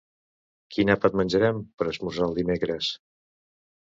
Quin àpat menjarem per esmorzar el dimecres?